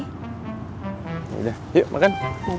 yaudah yuk makan